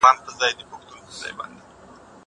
زه به سبا اوبه پاکوم!